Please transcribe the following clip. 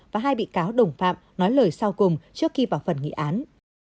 và hai bị cáo đồng phạm nói lời sau cùng trước khi vào phần nghị án